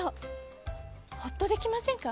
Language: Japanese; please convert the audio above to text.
ほっとできませんか？